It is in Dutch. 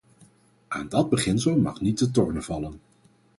Aan dat beginsel mag niet te tornen vallen.